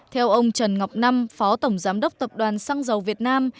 theo ông trần ngọc năm phó tổng giám đốc tập đoàn xăng dầu việt nam